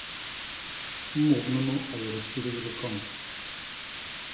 Mut nunu a yé bitidigi bi kon.